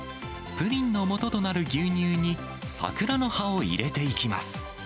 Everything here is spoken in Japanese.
プリンのもととなる牛乳に、桜の葉を入れていきます。